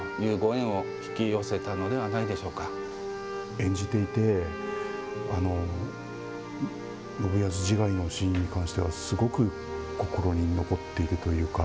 演じていて信康自害のシーンに関してはすごく心に残っているというか。